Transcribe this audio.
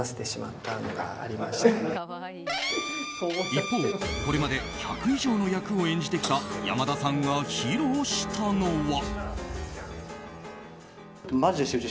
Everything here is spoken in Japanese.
一方、これまで１００以上の役を演じてきた山田さんが披露したのは。